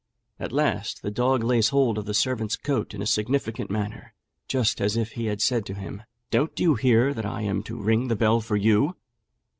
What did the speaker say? At last the dog lays hold of the servant's coat in a significant manner, just as if he had said to him "Don't you hear that I am to ring the bell for you?